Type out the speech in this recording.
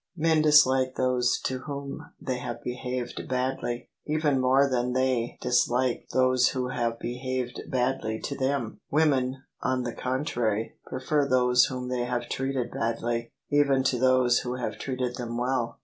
Men dislike those to whom they have behaved badly, even more than they dislike those who have behaved badly to them: women, on the con trary, prefer those whom they have treated badly, even to those who have treated them well.